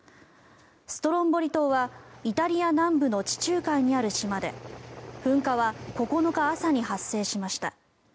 ストロンボリ島はイタリア南部の地中海にある島で噴火は９日朝に発生しました。